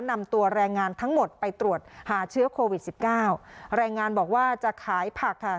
นำตัวแรงงานทั้งหมดไปตรวจหาเชื้อโควิดสิบเก้ารายงานบอกว่าจะขายผักค่ะ